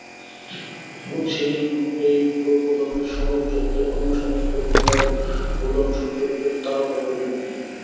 এবং সেই জন্য এই প্রবোধনের সমুজ্জ্বলতায় অন্য সমস্ত পুনর্বোধন সূর্যালোকে তারকাবলীর ন্যায়।